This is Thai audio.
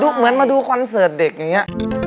เหมือนมาดูคอนเสิร์ตเด็กอย่างนี้